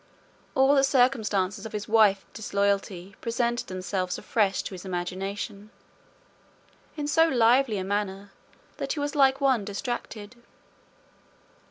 All the circumstances of his wife's disloyalty presented themselves afresh to his imagination, in so lively a manner, that he was like one distracted.